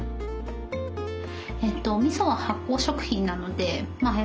みそは発酵食品なのでまあ